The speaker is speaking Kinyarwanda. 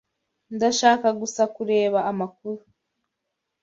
Ndashaka gusa kureba amakuru.